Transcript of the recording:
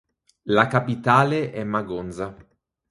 La capitale è Magonza.